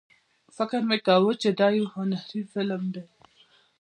فکر مې کاوه چې دا یو هنري فلم دی.